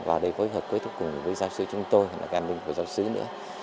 và để phối hợp cuối cùng với giáo sứ chúng tôi an ninh của giáo sứ nữa